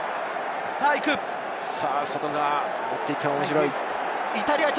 外側に持って行ったら、面白い。